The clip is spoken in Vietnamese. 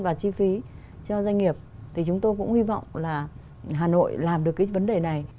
và chi phí cho doanh nghiệp thì chúng tôi cũng hy vọng là hà nội làm được cái vấn đề này